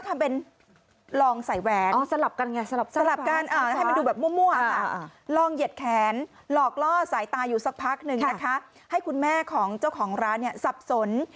มั่วลองเหยียดแขนหลอกล่อสายตาอยู่สักพักนึงนะคะให้คุณแม่ของเจ้าของร้านเนี่ยสับสน